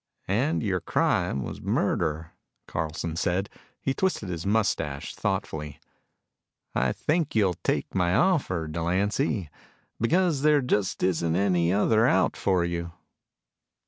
"And your crime was murder," Carlson said. He twisted his mustache thoughtfully. "I think you'll take my offer, Delancy, because there just isn't any other out for you."